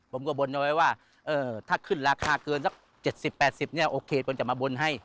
ผมก็บนไว้ว่าถ้าขึ้นราคาเกิน๗๐๘๐บาทโอเคก็จะมาบนให้